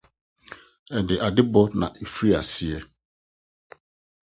Ɛde adebɔ na ɛfiri aseɛ